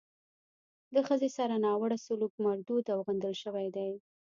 له ښځې سره ناوړه سلوک مردود او غندل شوی دی.